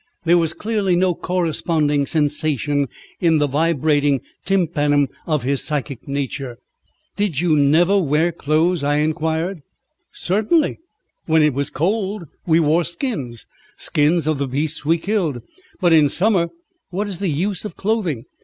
There was clearly no corresponding sensation in the vibrating tympanum of his psychic nature. "Did you never wear clothes?" I inquired. "Certainly, when it was cold we wore skins, skins of the beasts we killed. But in summer what is the use of clothing?